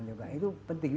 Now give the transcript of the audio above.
pengaruh makan itu penting